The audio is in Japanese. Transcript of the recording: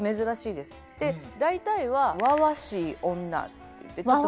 で大体はわわしい女っていってちょっと。